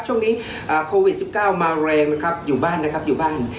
ช่วงนี้โควิด๑๙มาแรงนะครับอยู่บ้านนะครับอยู่บ้าน